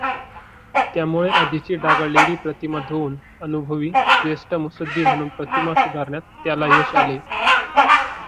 त्यामुळे आधीची डागाळलेली प्रतिमा धुवून अनुभवी, ज्येष्ठ मुत्सद्दी म्हणून प्रतिमा सुधारण्यात त्याला यश आले.